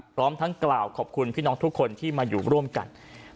พร้อมทั้งกล่าวขอบคุณพี่น้องทุกคนที่มาอยู่ร่วมกัน